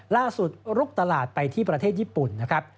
ลุกตลาดไปที่ประเทศญี่ปุ่นนะครับ